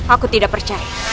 aku tidak percaya